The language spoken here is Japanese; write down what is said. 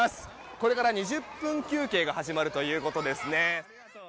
これから２０分休憩が始まるということですね。